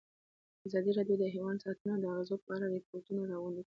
ازادي راډیو د حیوان ساتنه د اغېزو په اړه ریپوټونه راغونډ کړي.